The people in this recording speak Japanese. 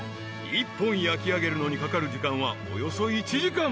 ［一本焼きあげるのにかかる時間はおよそ１時間］